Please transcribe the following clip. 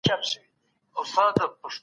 خپل ماشومان ښوونځيو ته واستوئ.